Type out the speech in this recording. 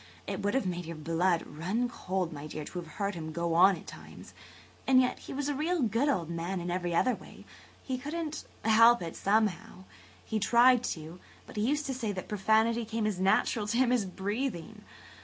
It would have made your blood run cold, my dear, to have heard him go on at times. And yet he was a real good old man every other way. He couldn't help it someway. He tried to, but he used to say that profanity came as natural to him as breathing.